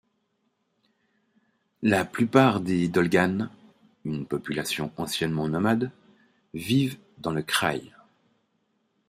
La plupart des Dolganes, une population anciennement nomade, vivent dans le kraï.